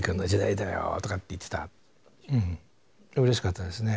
うれしかったですね。